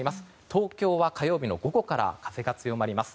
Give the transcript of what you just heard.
東京は火曜日の午後から風が強まります。